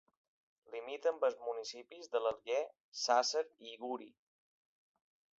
Limita amb els municipis de l'Alguer, Sàsser i Uri.